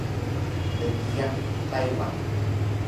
Dgiyaq Taywan